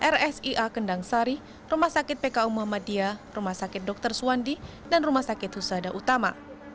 rsia kendang sari rumah sakit pku muhammadiyah rumah sakit dr suwandi dan rumah sakit husada utama